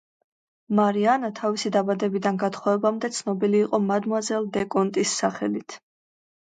მარი ანა თავისი დაბადებიდან გათხოვებამდე, ცნობილი იყო მადმუაზელ დე კონტის სახელით.